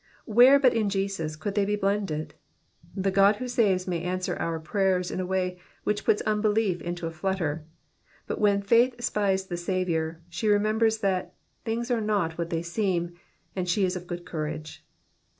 Where but in Jesus could they be blended ? The God who saves may answer our prayers in a way which puts unbelief into aflutter; but when faith spies the 8a dour, she ren\embers that *' things are not what they seem," and she is of good courage.